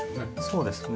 そうですね。